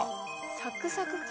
サクサク剣。